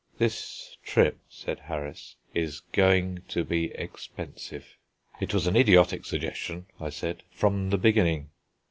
"This trip," said Harris, "is going to be expensive." "It was an idiotic suggestion," I said, "from the beginning."